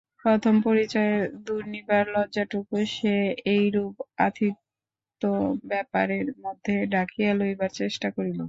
প্রথম পরিচয়ের দুর্নিবার লজ্জাটুকু সে এইরূপ আতিথ্যব্যাপারের মধ্যে ঢাকিয়া লইবার চেষ্টা করিল।